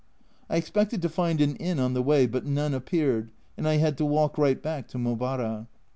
I expected to find an inn on the way, but none appeared, and I had to walk right back to Mobara.